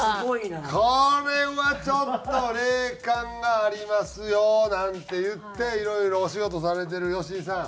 これはちょっと「霊感がありますよ」なんて言っていろいろお仕事されてる好井さん